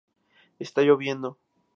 Está lloviendo.